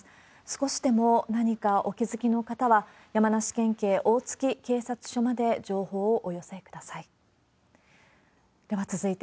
少しでも何かお気付きの方は、山梨県警大月警察署まで情報をお寄せください。